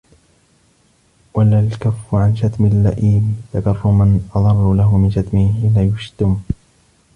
وَلَلْكَفُّ عَنْ شَتْمِ اللَّئِيمِ تَكَرُّمًا أَضَرُّ لَهُ مِنْ شَتْمِهِ حِينَ يَشْتُمُ